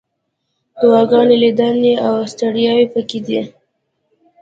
دعاګانې، لیدنې، او ستړیاوې پکې دي.